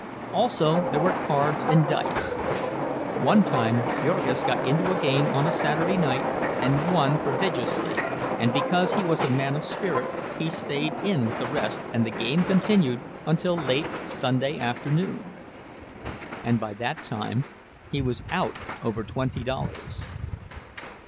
Also, there were cards and dice. One time Jurgis got into a game on a Saturday night and won prodigiously, and because he was a man of spirit he stayed in with the rest and the game continued until late Sunday afternoon, and by that time he was "out" over twenty dollars.